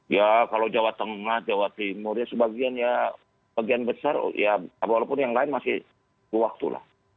ya kalau jawa tengah jawa timur ya sebagian ya bagian besar ya walaupun yang lain masih waktu lah